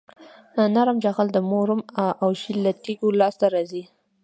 نرم جغل د مورم او شیل له تیږو لاسته راځي